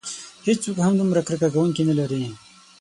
هیڅوک هم دومره کرکه کوونکي نه لري.